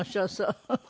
フフフフ。